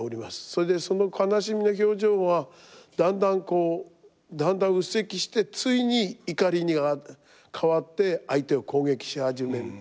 それでその悲しみの表情はだんだん鬱積してついに怒りに変わって相手を攻撃し始める。